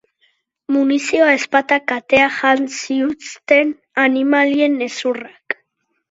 Munizioa, ezpatak, kateak, jan ziutzten animalien hezurrak.